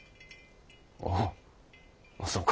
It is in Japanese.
あぁそうか。